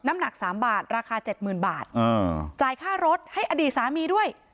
น้ำหนักสามบาทราคาเจ็ดหมื่นบาทอ่าจ่ายค่ารถให้อดีตสามีด้วย